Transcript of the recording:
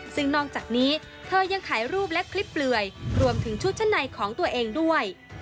ซึ่งนอกจากนี้เธอยังถ่ายรูปและคลิปเปลือยรวมถึงชุดชั้นในของตัวเองด้วย